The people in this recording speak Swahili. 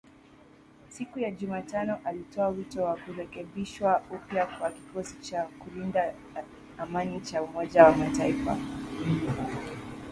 siku ya Jumatano alitoa wito wa kurekebishwa upya kwa kikosi cha kulinda amani cha Umoja wa Mataifa